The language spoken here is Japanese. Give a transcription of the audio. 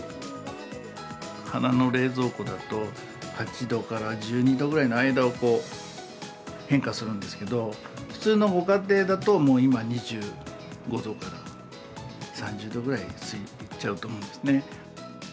花の冷蔵庫だと、８度から１２度ぐらいの間を変化するんですけど、普通のご家庭だともう今、２５度から３０度ぐらいいっちゃうと思うんですね。